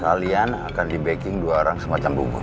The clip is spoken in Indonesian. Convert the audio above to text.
kalian akan di backing dua orang semacam buku